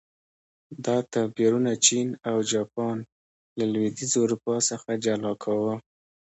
دا توپیرونه چین او جاپان له لوېدیځې اروپا څخه جلا کاوه.